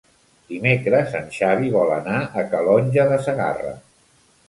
Dimecres en Xavi vol anar a Calonge de Segarra.